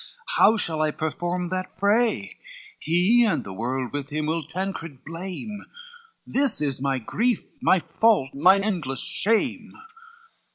how shall I perform that fray? He, and the world with him, will Tancred blame, This is my grief, my fault, mine endless shame."